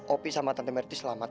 opi sama tante merty selamat